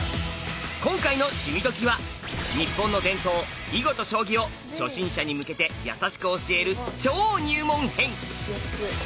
今回の「趣味どきっ！」は日本の伝統囲碁と将棋を初心者に向けてやさしく教える超入門編！